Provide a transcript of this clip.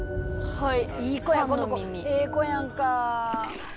はい。